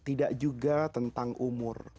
tidak juga tentang umur